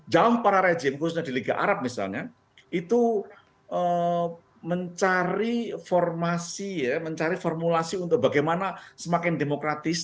jauh para rejim khususnya di liga arab misalnya itu mencari formasi ya mencari formulasi untuk bagaimana semakin demokratis